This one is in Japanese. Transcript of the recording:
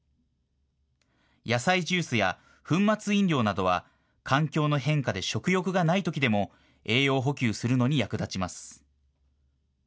野菜ジュースや粉末飲料などは環境の変化で食欲がないときでも栄養補給するのに役立ちます。